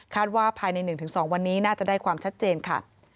ว่าภายใน๑๒วันนี้น่าจะได้ความชัดเจนค่ะ